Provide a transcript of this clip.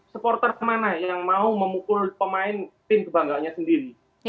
supporter mana yang mau memukul pemain tim kebanggaannya sendiri